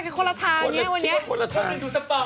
จริง